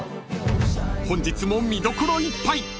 ［本日も見どころいっぱい！